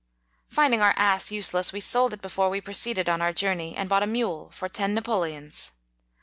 Finding our ass useless, we sold it 16 before we proceeded on our journey, and bought a mule, for ten Napoleons.